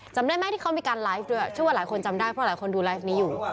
จำได้ไหมที่เขามีการไลฟ์ด้วยชื่อว่าหลายคนจำได้เพราะหลายคนดูไลฟ์นี้อยู่